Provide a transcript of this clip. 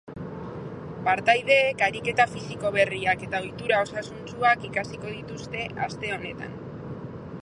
Partaideek ariketa fisiko berriak eta ohitura osasuntsuak ikasiko dituzte aste honetan.